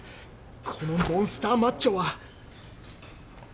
このモンスターマッチョは